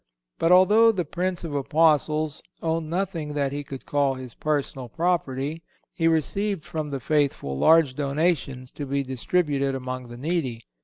But, although the Prince of the Apostles owned nothing that he could call his personal property, he received from the faithful large donations to be distributed among the needy.